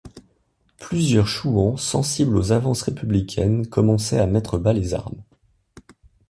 Plusieurs chouans sensibles aux avances républicaines commençaient à mettre bas les armes.